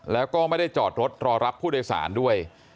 แล้วก็ไม่ได้จอดรถรอรับผู้โดยสารด้วย